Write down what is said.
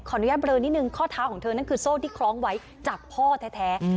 อนุญาตเบลอนิดนึงข้อเท้าของเธอนั่นคือโซ่ที่คล้องไว้จากพ่อแท้